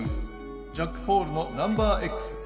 ジャックポールの「ナンバーＸ」